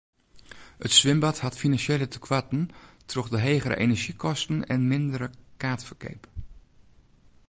It swimbad hat finansjele tekoarten troch de hegere enerzjykosten en mindere kaartferkeap.